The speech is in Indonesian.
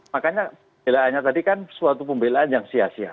makanya pembelaannya tadi kan suatu pembelaan yang sia sia